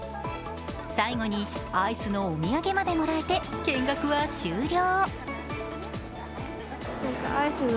最後にアイスのお土産までもらえて、見学は終了。